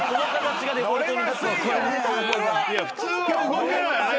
普通は動けないよね。